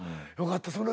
よかった。